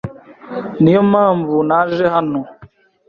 Niyo mpamvu naje hano.